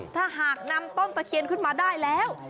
ถ้าหากนำต้นตะเคียนขึ้นมาได้แล้ว